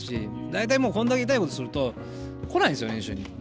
大体もうこれだけ痛いことをすると来ないんですよ練習に。